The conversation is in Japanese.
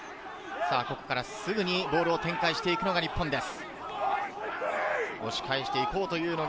ここからすぐにボールを展開していくのが日本です。